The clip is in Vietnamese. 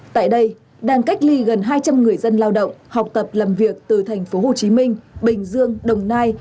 tại đây đang cách ly gần hai trăm linh người dân lao động học tập làm việc từ thành phố hồ chí minh bình dương đồng nai